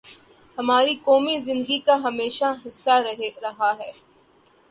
ہماری قومی زندگی کا ہمیشہ حصہ رہا ہے۔